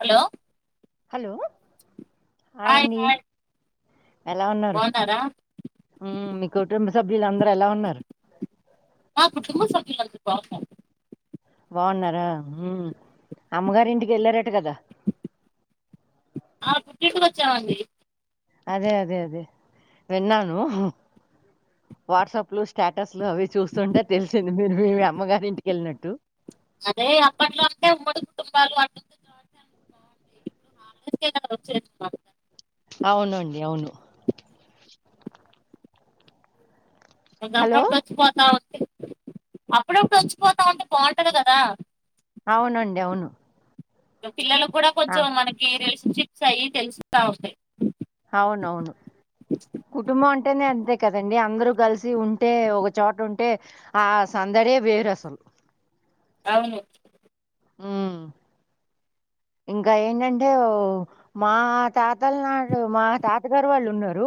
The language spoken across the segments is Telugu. హలో హలో హాయ్ అండి ఎలా ఉన్నారు బాగున్నారా మీ కుటుంబ సభ్యులం మా కుటుంబ సభ్యులామ్ బాగునం బాగున్నారా అమ్మగారి ఇంటికి వెళ్ళారట కదా ఆ పుట్టింటికి వచ్చామండి అదే అదే అదే విన్నాను వాట్సాప్లు స్టేటస్లు అవి చూస్తుంటే తెలిసింది మీరు మీ అమ్మగారి ఇంటిక వెళ్ళినట్టు అదే అప్పట్లో అంటే ఉమ్మడి కుటుంబాలు అంట చ బాగుంటాయి ఇప్పుడు హాలడేస్ వచ్చేన్నమా అవునుండి అవును హలో అపుడపుడు వచ్చిపోతా అప్పుడప్పుడు వచ్చిపోతా ఉంటే బాగుంటది కదా అవునండి అవును పిల్లలు కూడా ఆ కొంచెం మనకి రేష్ట్ చిప్స్ అయ్యి తెలుస్తా ఉంటాయి అవునవును కుటుంబం అంటేనే అంతే కదండి అందరూ కలిసి ఉంటే ఒకచోట ఉంటే ఆ సందడే వేరు అసలు అవును ఆ ఇంకా ఏంటంటే మా తాతల నాడు మా తాతగారు వాళ్ళు ఉన్నారు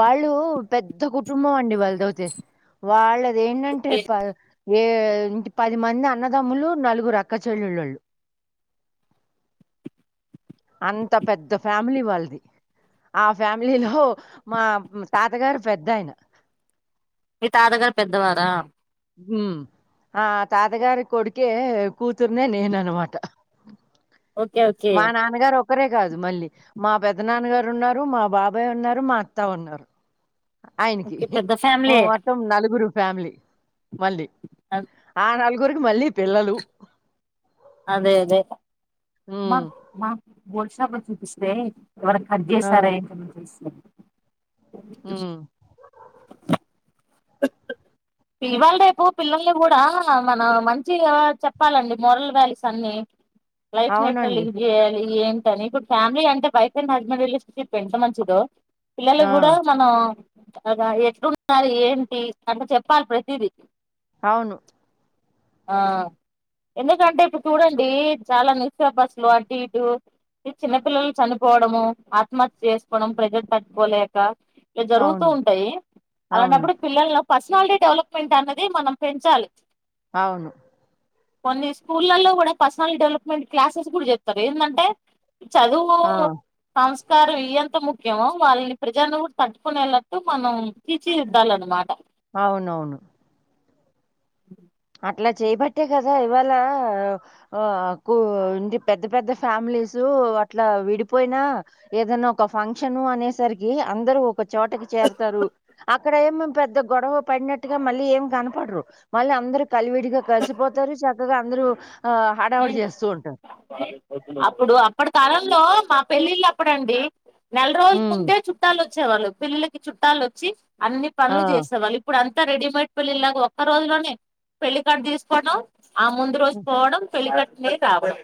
వాళ్ళు పెద్ద కుటుంబం అండి వాళ్ళదవుతే వాళ్ళ అ ఏంటంటే ఓకే ప ఏ ఇంటి పది మంది అన్నదమ్ములు నలుగురు అక్కచల్లేళ్ళు అంత పెద్ద ఫ్యామిలీ వాళ్ళ ఆ ఫ్యామిలీలో మా తాతగారు పెద్దయన ఈ తాతగారు పెద్దవారా ఉ ఆ తాతగారి కొడుకే కూతుర్నే నేన్ అన్ మాట ఓకే ఓకే ఒక్కరే కాదు మళ్ళీ మా పెద్ద నాన్నగారు ఉన్నారు మా బాబాయ్ ఉన్నారు మా అత్తా ఉన్నారు ఆయనకి ఓకే పెద్ద ఫ్యామిలీ మొత్తం నలుగురు ఫ్యామిలీ మళ్ళీ ఆనాలుగు గురికి మళ్ళీ పిల్లలు అదే అదే మా హ్మ్. మా బోత్ షాపులు చూపిస్తీ ఇవాలా కట్ చేసారా ఏంటి అని తెలిసింది అ ఆ ఇవాళ రేపు పిల్లల్ని కూడా మన మంచిగా చెప్పాలండి మోారల్ వ్యాల్యూస్ అన్నిీ వైఫ్ నెట్ అవునండి. పోయింది ఏ ఇ ఏంటని ఇప్పుడు ఫ్యామిలీ అంటే వైఫ్ అండ్ హస్బెండ్ రిలేషన్షిప్ ఎంత మంచిదో ఆ! పిల్లలకు కూడా మనం అగా ఎట్లున్నారు ఏంటి అంట చెప్పాలి ప్రతిదీ అవును ఆ ఎందుకంటే ఇప్పుడు చూడండి చాలా న్యూస్ పేపర్స్ లో అటు ఇటు చిన్నపిల్లలు చనిపోవడము ఆత్మహత్య చేసుకోవడం ప్రజలు తట్టుపోలేక ఇలా జరుగుతూ అవును. ఉంటాయి అవును. అలాంటప్పుడు పిల్లల పర్సనాలిటీ డెవలప్మెంట్ అనేది మనం పెంచాలి అవును కొన్ని స్కూళ్లలో కూడా పర్సనల్ డెవలప్మెంట్ క్లాసెస్ కూడా చెప్తారు ఏంటంటే చదువు ఆ! సంస్ సంకారం ఇ ఎంత ముఖ్యమో వాళ్ళని ప్రజలను కూడా తట్టుకునేలట్టు మనం తీర్చిదిద్దాలన్నమాట అవునవును మ్మ్ అట్లా చేయబట్టే కదా ఇవాళ ఆ ఇ పెద్ద పెద్ద ఫ్యామిలీస్ అట్లా విడిపోయినా ఏదనా ఒక ఫంక్షన్ అనేసరికి అందరూ ఒక చోటకి చేరతారు అక్కడ ఏమ పెద్ద గొడవ పడినట్టుగా మళ్ళీ ఏం కనపడరు మళ్ళీ అందరు కలివిడిగా కలిసిపోతారు చక్కగా అందరూ ఆ హడావుడి చేస్తూ ఉంటారు అప్పుడు అప్పటి కాలం లో మా పెళ్ళిళ్ళు అప్పుడండి నెల రోజుల ఉమ్, ముందే చుట్టాలు వచ్చేవాళ్ళు పెళ్ళిళ్ కి చుట్టాలు వచ్చి అన్ని ఆ, పనులు చేసేవాళ్ళు ఇప్పుడు అంత్ అంతా రెడీమేడ్ పెళ్లిలాగా ఒక్క రోజు లోనే పెళ్లి కడ్ తీసుకోవడం ఆ ముందు రోజు ఉమ్, పోవడం పెళ్ళకట్లే కావడం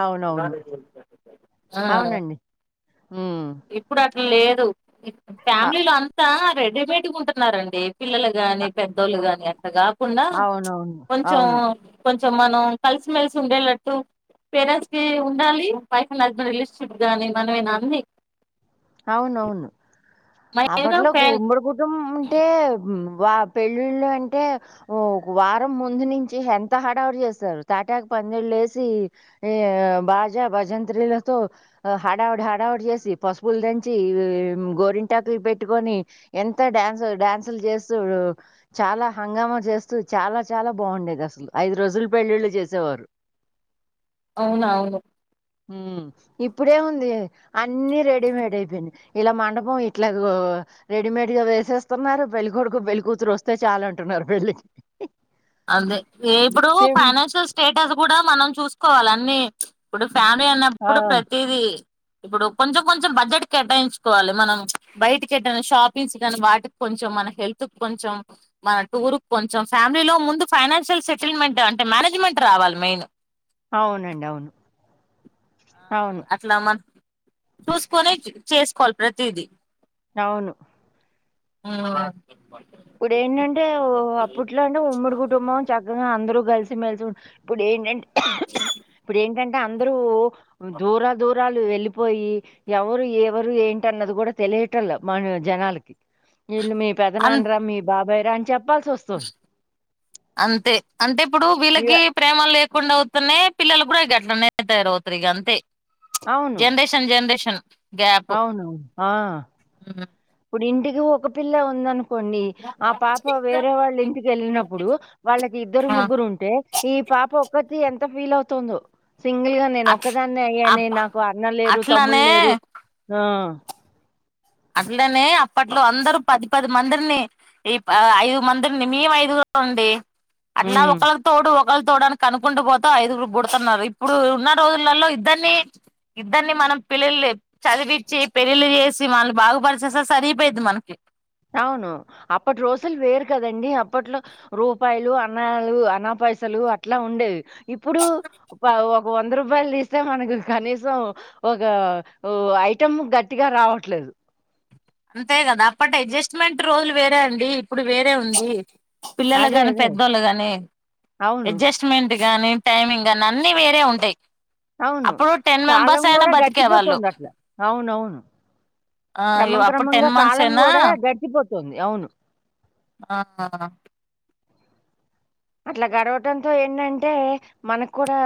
అవునవును ఆ మ్మ్ మ్మ్ లేదు ఫ్యామిలీలో అంతా రెడ్ రేడిమెట్ ఉంటున్నారండి పిల్లలు గాని ఆ, పెద్దోళ్ళు గాని అట్టగాదు కుండా ప్ల్చ్ అవునవును కొంచెం అవును కొంచ సో మనం కలిసిమెలిసి ఉండేలట్టు పేరెంట్స్ కి ఉండాలి వైఫ్ అండ్ హస్బెండ్ రిలేషన్షిప్ గాని మనమేనా అంది అవునవును అప్పట్లోకు ఉమ్మడి కుటుంబం ఉంటే మ్మ్ వా పెళ్ళిళ్ళు అంటే వారం ముందు నుంచి ఎంత హడావు చేస్తారు తాటాకు పందిళ్ళు వేసి బాజా భజంత్రీలతో హడావుడి హడావుడి చేసి పసుప్ పులు దంచి గోరింటాకులు పెట్టుకొని ఎంత డ్యాన్సు డ్యాన్సులు చేస్తూ చాలా హంగామా చేస్తూ చాలా చాలా బాగుండేది అసలు ఐదు రోజులు పెళ్ళిళ్ళు చేసేవారు అవున అవును ఊ ఇప్పుడే ఉంది అన్ని రే రెడీమేడ్ అయిపోయింది ఇలా మండపం ఇట్లా రెడీమేడ్ గా వేసేస్తున్నారు పెళ్ళికొడుకు పెళ్ళికతురు వస్తే చాలు అంటున్నారు పెళ్లికి అదే ఇప్పుడు ఫైనాన్షియల్ స్టేటస్ కూడా మనం చూస్ కోవాలన్నీ ఇప్పుడు ఫ్యామిలీ ఆ అన్నప్పుడు ప్రతిదీ ఇప్పుడు కొంచెం కొంచెం బడ్జెట్ కొంచటాయించుకోవాలి మనం బయట కేట్టా షాపింగ్స్ కానీ వాటికి కొంచెం మన హెల్త్ కొంచెం మన టూర్ కొంచెం ఫ్యామిలీలో ముందు ముందు ఫైనాన్షియల్ సెటిల్మెంట్ అంటే మేనేజ్మెంట్ రావాలి మెయిన్ అవునండి అవును ఆ అవును అట్లా మన చూసుకునే చేసుకోవాలి ప్రతిదీ అవును ఆ ఇప్పుడు ఏంటంటే అప్పట్లోనూ ఉమ్మడి కుటుంబం చక్కగా అందరు కలిసి మెలిసి ఉ ఇప్పుడు ఏంటంటె ఇప్పుడు ఏంటంటే అందరూ దూర దూరాలు వెళ్ళిపోయి ఎవరు ఎవరు ఏంటి అన్నది కూడా తెలియటల మన జనాలకి ఎలుమి అం పెదనాన్ బభైరన్ చెప్ అంతే అంటే ఇప్పుడు ఇగ వీళ్ళకి ప్రేమాలు లేకుండా అవ్ అనే పిల్లలు కూడా ఈ ఘట్లనేతయారవుతారు ఇగ అంతే జెనరేషన్ జెనరేషన్ అవును ఆ ఇప్పుడు ఇంటికి ఒక పిల్ల ఉందను అనుకోండి ఆ పాప వేరే వాళ్ళ ఇంటికి వెళ్ళినప్పుడు వాళ్ళకి ఇద్దరు ఆ ముగ్గురు ఉంటే ఈ పాప ఒక అది ఎంత ఫీల్ అవుతుందో సింగిల్ గా నేను అట్ ఒక్కదాన్నే అయ్యానే అప్ నాకు అన్నల్ లేరు తమ్ముళ్ళు అట్లనే లేరు ఆ అసలుదని అప్పట్లో అందరుూ పది పది మందిరిని ఈ ఐదు మందిరిని మము ఐదుగురాం అండి అట్ నా హ్మ్. ఒకళకి తోడు తడానికి అనుకుంటూ పోత ఐదుగురు గుడుతున్నారు ఇప్పుడు ఉన్న రోజులలో ఇద్దరిని ఇద్దరిని మనం పిల్ల చదివించి పెళ్ళిళ్లి చేసి మన బాగుపరిసేస్తా సరిపోయిద్ది మనకి అవును అప్పటి రోజులు వేరు కదండి అప్పట్లో రూపాయలు అన్నాలు అన్న పైసలు అట్లా ఉండేవి ఇప్పుడు ఒక వంద రూపాయలు తీస్తే మనకు కనీసం ఒక ఐటం గట్టిగా రావట్లేదు అంతే కదా అప్పటి అడ్జస్ట్మెంట్ రోజులు వేరే అండి ఇప్పుడు వేరే ఉంది పిల్లలు అదే. కాని అదే. పెద్దోళ్ళు కానీ అవును. అడ్జస్ట్మెంట్ గాని టైమింగ్ గానీ అన్నిీ వేరే ఉంటాయి అవును అప్పుడు టెన్ కాలం మెంబర్స్ అయినా కూడా బతికే వాళ్ళు గడిచిపోతుంది అట్లా అవునవును ఆ క్రమం క్రమ అప్పుడు టెన్ క్రమంగా మంత్స్ కాలం అయినా కూడా గడిచిపోతుంది అవును ఆ అట్లా గడవటంతో ఏంటంటే మనకు కూడా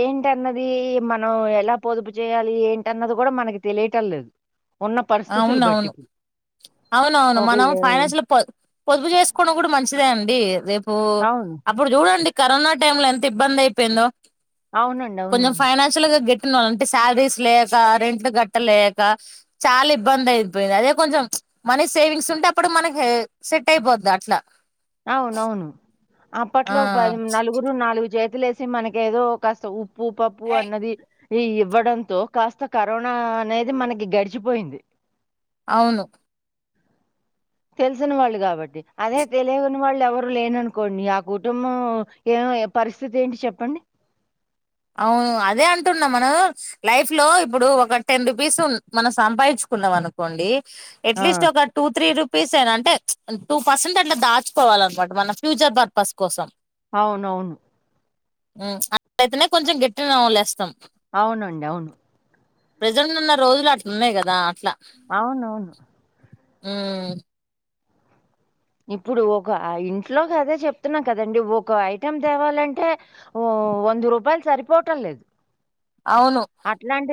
ఏంటన్నది మనం ఎలా పొదుపు చేయాలి ఏంటన్నది కూడా మనకి తెలియటం లేదు ఉన్న పరిస్థితులు బట్టి అవునవును ఇప్పుడు. అవునవును ఒక మనం యా ఫైనాన్స్ లో పొ పొదుపు చేసుకోడం కూడా మంచిదే అండి అది రేప్ ఓ అవును. అప్పుడు చూడండి కరోనా టైమ్ లో ఎంత ఇబ్బంది అయిపోయిందో అవునండి. అవునవును. కొంచం ఫైనాన్షల్గా గెట్ అంటే శాలరీస్ లేక రెంట్లు గట్ట లేక చాలా ఇబ్బంది అయిపోయింది అదే కొంచెం మనీ సేవింగ్స్ ఉంటే అప్పుడు మనకి సెట్ అయిపోది అట్లా అవునవును ఆ అప్పట్లో పది నలుగురు నాలుగు జ వలేసి మనక ఏదో కాస్త ఉ ప్పు పప్పు అన్నది ఈ ఇవ్వడంతో కాస్త కరోనా అనేది మనకి గడిచిపోయింది అవును తెలిసిన వాళ్ళు కాబట్టి అదే తెలియని వాళ్ళు ఎవరు లేననుకోండి ఆ కుటుంబం ఏ పరిస్థితి ఏంటి చెప్పండి అవును అదే అంటున్నాం మనం లైఫ్ లో ఇప్పుడు ఒక టెన్ రూపీస్ మనం సంపాదించుకున్నాం అనుకోండి ఆ! ఎట్లీస్ట్ ఒక టూ త్రీ రూ పర్సెంట్ అంటే టూ పర్సెంట్ అట్లా దాచుకోవాలనమాట మన ఫ్యూచర్ పర్పస్ కోసం అవునవును అయితేనే కొంచెం గట్టిన నవళలేస్తాం అవునండి. అవును. ప్రజెంట్ ఉన్న రోజులు అట్ల ఉన్నాయి కదా అవునవును మ్మ్ ఇప్పుడు ఒక ఇంట్లోకి అదే చెప్తున్నా కదండి ఒక ఐటెం తేవాలంటే వంద రూపాయలు సరిపోవటం లేదు అవును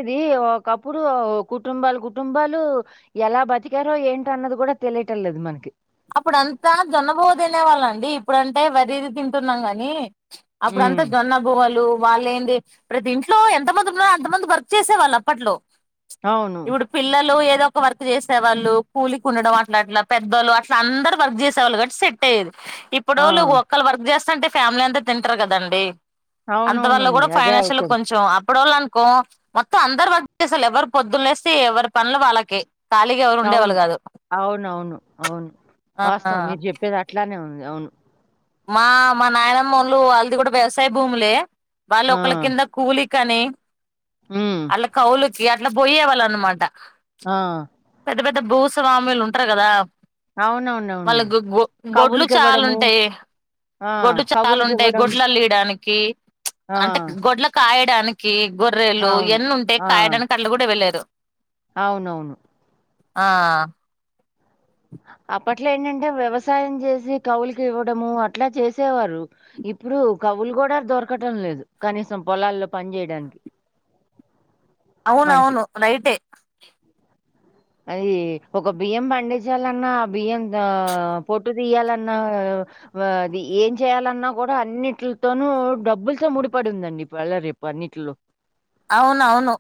ఇది ఒకప్పుడు కుటుంబాలు కుటుంబాలు ఎలా బతికారో ఏంట అన్నది కూడా తెలియటం లేదు మనకి అప్పుడ అంతా జొన్నబోవ తినే వాళ్ళ అండి ఇప్పుడుంటే వరి ఇది తింటున్నాం కానీ అప్పుడ హ్మ్. అంతా జొన్న బువ్వలు వాళ్ళు ఏంటి ప్రతి ఇంట్లో ఎంతమంది ఉన్నో అంత మంది వర్క్ చేసే వాళ్ళు అప్పట్లో అవును. ఇప్పుడు పిల్లలు ఎ ద ఒక వర్క్ చేసేవాళ్ళు కూలి కి ఉండడం అట్లా అట్లా పెద్దళ్లు అట్లా అందరు వర్క్ చేసేళ్ళు గటి సెట్ అయ్యది ఆ! ఇప్పుడొల్లు ఒక్కళ్ళు వర్క్ చేస్తంటే ఫ్యామిలీ అంతా తింటరు కదండి అంత వల్ల కూడా అవునవునండి. అదే ఫైనాన్షియల్ లో అవుతుంది. కొంచెం ఇప్పుడోళ్ళు అనుకో మొత్తం అందరు వర్క్ చేసేవాళ్ళే ఎవరు పొద్దున్న లేస్తే ఎవరి పనులు వాళ్ళకి అవును అవునవును అవును వాస్తవం ఆ మీరు చెప్పేది అట్ల అవును అవును మా మా నాయనమ్మమోళ్ళు వాల్దిగూడ వ్యవసాయ భూములే వాళ్ళు ఆ! ఒకళ కింద కూలి కానీ హ్మ్. ఆళ్ళ కౌలు గీ అట్లా పోయే వాళ్ళ అనమాట ఆ పెద్ద పెద్ద భూస్వాములు ఉంటారు కదా అవునవునవును. వాళ్ళ గ గొడ్లు చాలా కబుర్లికివ్వడము. ఉంటాయి ఆ! గొడ్లు చాలా ఉంటాయి కబుర్లికివ్వడం. గొడ్లల ఈడ మనకి ఆ! అంటే గొడ్ల కాయ ట్యానికి గొర్రెలు అవును. ఇవన్నీ ఉంటాయ్ ఆ! కాయడానికి కళ్ళ కూడా ఎవలేదు అవునవును ఆ అప్పట్లో ఏంటంటే వ్యవసాయం చేసి కవులకి ఇవ్వడము అట్లా చేసేవారు ఇప్పుడు కవులు కూడా దొరకటం లేదు కనీసం పొలాల్లో పని చేయడానికి అవునవును రైటే [inaudible] అది ఒక బియ్యం పండించాలన్నా ఆ బియ్యం తో పొట్టు తీయాలన్నా అది ఏం చేయాలన్నా కూడా అన్నిట్లోతును డబ్బులతో ముడిపడి ఉందండి ఇవళ రేపు అన్నింటిలో అవునవును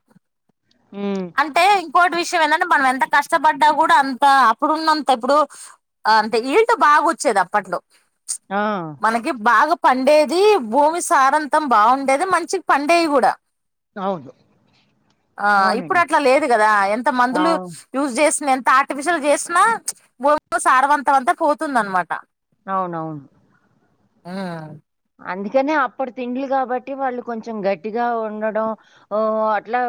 హ్మ్. అంటే ఇంకోటి విషయం ఏందంటే మనం ఎంత కష్టపడ్డా కూడా అంత అప్పుడున్నంత ఇప్పుడు అంటే ఈల్టు బాగ వచ్చేది అప్పట్లో ఆ! మనకి బాగ పండేది భూమి సారంతం బాగుండేది మంచి పండేవి కూడా అవును ఆ అవున ఇప్పుడు అట్లా లేదు గదా ఎంత మందులు యూజ్ చేసిన ఎంత ఎంత ఆర్టిఫిషియల్ చేసినా భూమిలో సారవంతమంతా పోతుంద అనమాట అవునవును మ్ అందుకనే అప్పుడు తిండ్లు కాబట్టి, వాళ్ళు కొంచెం గట్టిగా ఉండడం ఉ అట్లా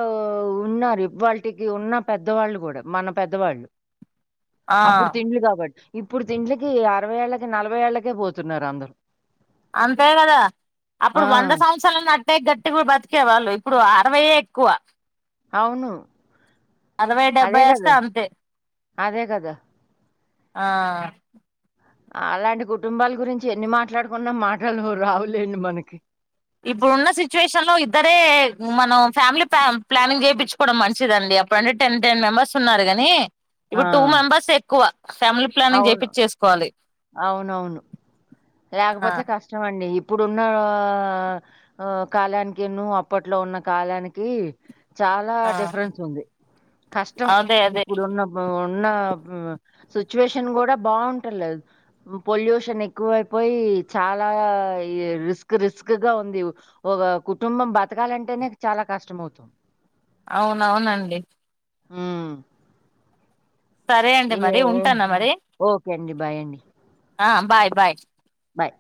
ఉన్నారు. వాళ్టికి ఉన్న పెద్దవాళ్ళు కూడా మన పెద్దవాళ్ళు ఆ అప్పుడు తిండ్లు కాబట్టి ఇప్పుడు తిండ్ల కి అరవై ఏళ్ళకి నలభై ఏళ్ళకే పోతున్నారు అందరు అంతే కదా అప్పుడు వంద సంవత్సరాలు దాట్ అంటే గట్టిగ బతికేవాళ్ళు ఇప్పుడు అరవైయే ఎక్కువ అవును అరవై అదే డెబ్బై వస్తే గదా! అంతే అదే కదా! ఆ అలాంటి కుటుంబాల గురించి ఎన్ని మాట్లాడుకున్నా, మాటలు రావులేండి మనకి. ఇప్పుడు ఉన్న సిచ్యువేషన్ లో ఇద్దరే, మనం ఫ్యామిలీ ప ప్లానింగ్ చేయించుకోవడం మంచిదండి. అప్పుడు అంటే టెన్ టెన్ మెంబెర్స్ ఉన్నారు కాని, ఆ! ఇప్పుడు టూ మెంబర్స్ ఎక్కువ ఫ్యామిలీ ప్లానింగ్ అవును. చేపిచ్చేసుకోవాలి అవునవును ఆ లేకపోతే కష్టంమండి ఇ ఇప్పుడున్న కాలానికి ను అప్పట్లో ఉన్న కాలానికి చాలా ఆ డిఫరెన్స్ ఉంది. కష్టం అదే అదే ఇప్పుడు ఉన్న ఉ సిచ్యువేషన్ కూడా బాగుండం లేదు. పొల్యూషన్ ఎక్కువైపో పోయి చాలా రిస్క్ రిస్క్ గా ఉంది. ఒక కుటుంబం బతకాలంటేనే చాలా కష్టం అవుతొంద్ అవును అవునన్ ఊ సరే అండి ఏ మరి ఉంటానా మరి ఓకే అండి బాయ్ అండి ఆ బాయ్ బా బాయ్